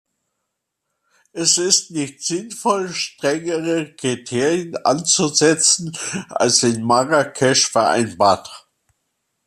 Es ist nicht sinnvoll, strengere Kriterien anzusetzen als in Marrakesch vereinbart.